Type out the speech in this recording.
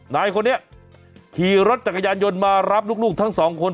นายคนนี้ขี่รถจักรยานยนต์มารับลูกทั้งสองคน